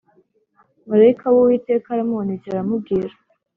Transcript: Marayika w uwiteka aramubonekera aramubwira